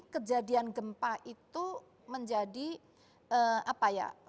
kejadian gempa itu menjadi apa ya